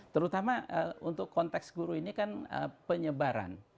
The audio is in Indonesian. terutama untuk konteks guru ini kan penyebaran